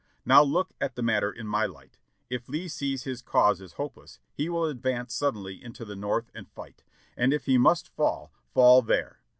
Now look at the matter in my Hght. If Lee sees his cause is hopeless, he will advance suddenly into the North and fight, and if he must fall fall there.